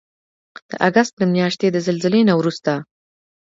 د اګست د میاشتې د زلزلې نه وروسته